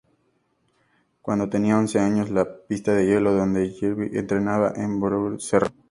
Cuando tenía once años, la pista de hielo donde Yevgueni entrenaba en Volgogrado cerró.